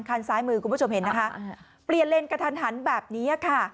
คันซ้ายมือคุณผู้ชมเห็นนะคะเปลี่ยนเลนกระทันหันแบบนี้ค่ะ